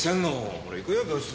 ほら行くよ病室。